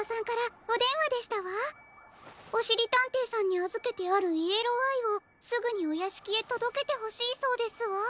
おしりたんていさんにあずけてあるイエローアイをすぐにおやしきへとどけてほしいそうですわ。